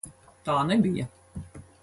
Tā nebija!